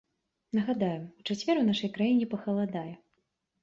Нагадаем, у чацвер у нашай краіне пахаладае.